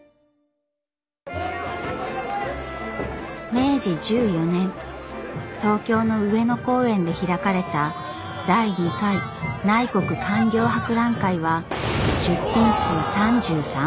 明治１４年東京の上野公園で開かれた第２回内国勧業博覧会は出品数３３万点。